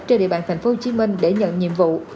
trên địa bàn thành phố hồ chí minh để nhận nhiệm vụ